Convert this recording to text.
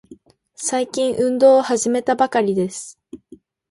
最近、運動を始めたばかりです。